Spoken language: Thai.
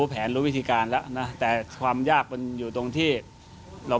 กุญสือทีมชาติไทยเปิดเผยว่าน่าจะไม่มีปัญหาสำหรับเกมในนัดชนะเลิศครับ